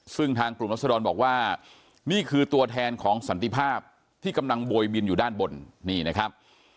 ซึ่งทางกลุ่มรัศดรบอกว่านี่คือตัวแทนของสันติภาพที่กำลังโบยบินอยู่ด้านบนนี่นะครับ